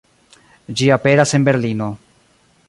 Ĝi aperas en Berlino.